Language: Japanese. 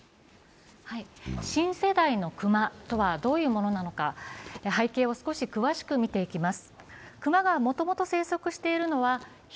新世代の熊とはどういうものなのか、背景を少し詳しく見ていきます。